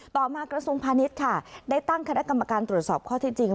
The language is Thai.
ต่อมากระทรวงพาณิชย์ค่ะได้ตั้งคณะกรรมการตรวจสอบข้อที่จริง